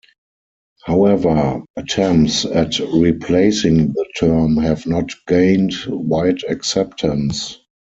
However, attempts at replacing the term have not gained wide acceptance.